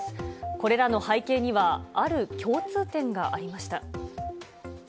これらの背景には、ある共通点がありました。